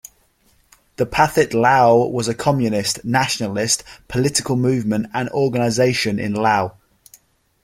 The Pathet Lao was a communist, nationalist political movement and organization in Laos.